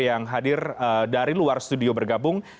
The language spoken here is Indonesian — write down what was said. yang hadir dari luar studio bergabung